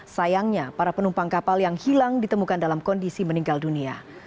sayangnya para penumpang kapal yang hilang ditemukan dalam kondisi meninggal dunia